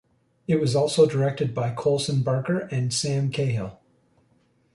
It was also directed by Colson Baker and Sam Cahill.